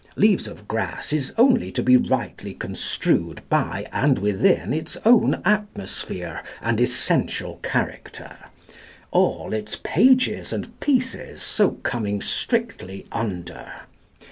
'Leaves of Grass' is only to be rightly construed by and within its own atmosphere and essential character all its pages and pieces so coming strictly under.